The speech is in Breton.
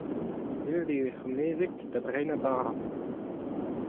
Deuet eo hec'h amezeg da brenañ bara.